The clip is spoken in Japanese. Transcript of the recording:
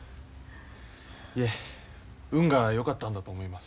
いえ運がよかったんだと思います。